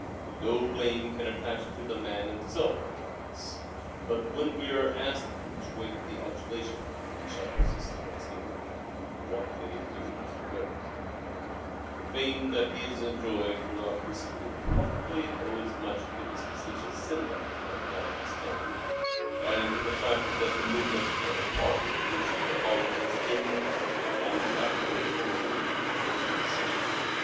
No blame can attach to the man himself for all this, but when we are asked to perpetuate the adulation we shall persist in asking, What did he do to merit it all ? The fame that he has enjoyed through out history probably owes much to the factitious send off that it got at this time, and to the fact that the movement and the party to which he belonged was then, and afterwards continued, in the ascendant.